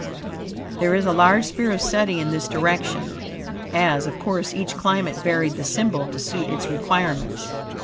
There is a large sphere of study in this direction, as, of course, each climate varied the symbol to suit its requirements.